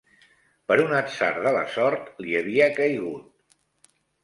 Per un atzar de la sort li havia caigut